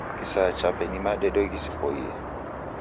Kisaya chape ni madedo ghiseboie.